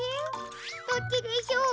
どっちでしょう？